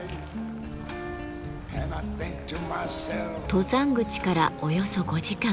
登山口からおよそ５時間。